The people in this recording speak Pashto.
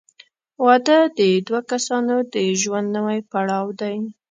• واده د دوه کسانو د ژوند نوی پړاو دی.